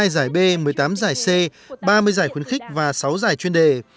hai giải b một mươi tám giải c ba mươi giải khuyến khích và sáu giải chuyên đề